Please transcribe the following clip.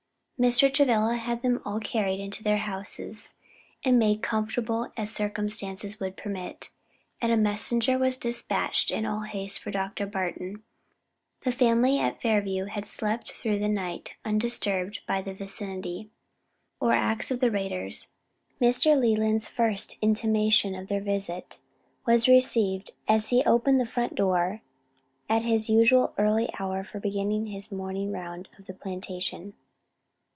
Mr. Travilla had them all carried into their houses, and made as comfortable as circumstances would permit, and a messenger was dispatched in all haste for Dr. Barton. The family at Fairview had slept through the night undisturbed by the vicinity, or acts of the raiders. Mr. Leland's first intimation of their visit was received as he opened the front door at his usual early hour for beginning his morning round of the plantation.